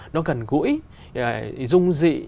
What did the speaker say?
nó cần gũi dung dị